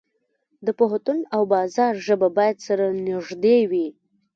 د پوهنتون او بازار ژبه باید سره نږدې وي.